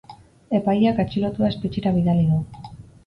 Epaileak atxilotua espetxera bidali du.